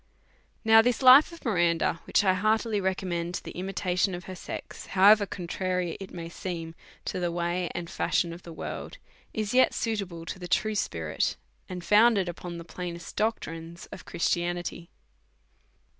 NOW, this life of Miranda, which I heartily re f^oniraend to the imitation of her sex, however contrary DEVOUT AND HOLY LIFE. 85 it may seem to the way and fashion of the worlds is yet suitable to the true spirit, and founded upon the plainest doctrines of Christianity.